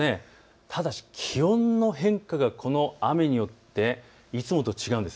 ただし気温の変化がこの雨によっていつもと違うんです。